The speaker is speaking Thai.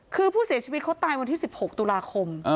คือผู้เสียชีวิตเขาตายวันที่๑๖ตุลาคม